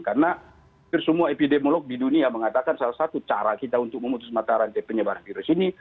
karena hampir semua epidemiolog di dunia mengatakan salah satu cara kita untuk memutus matahari penyebaran virus ini